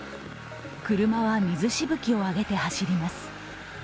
車は水しぶきを上げて走ります。